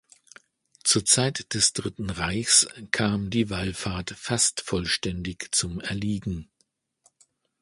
Zur Zeit des Dritten Reichs kam die Wallfahrt fast vollständig zum Erliegen.